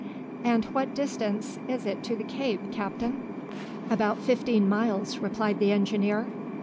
"And what distance is it to the Cape, captain?" "About fifteen miles," replied the engineer.